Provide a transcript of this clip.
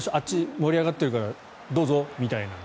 盛り上がってるからどうぞみたいな。